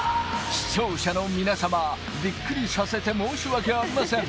視聴者の皆様、びっくりさせて申し訳ありません。